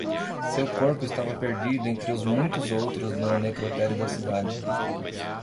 Seu corpo estava perdido entre os muitos outros no necrotério da cidade.